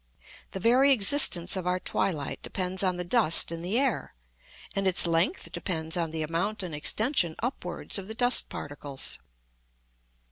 The very existence of our twilight depends on the dust in the air; and its length depends on the amount and extension upwards of the dust particles.